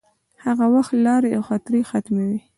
هغه وخت لارې او خطرې حتمې وې.